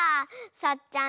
さっちゃん